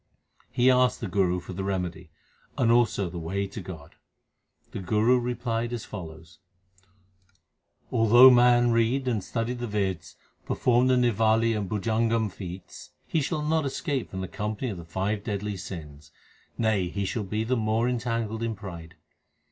He asked the Guru for the remedy, and also the way to God. The Guru replied as follows : Although man read and study the Veds, perform the niwali and bhujangam 1 feats, He shall not escape from the company of the five deadly sins ; nay, he shall be the more entangled in pride.